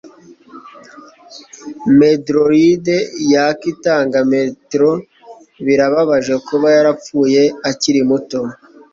Meteoroide yaka itanga meteor. Birababaje kuba yarapfuye akiri muto.